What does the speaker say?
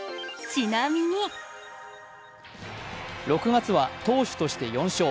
６月は投手として４勝。